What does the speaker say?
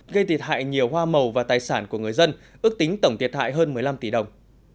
gây thiệt hại nhiều hoa màu và tài sản của người dân ước tính tổng thiệt hại hơn một mươi năm tỷ đồng